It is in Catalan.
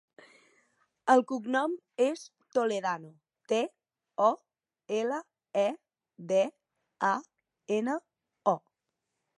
El cognom és Toledano: te, o, ela, e, de, a, ena, o.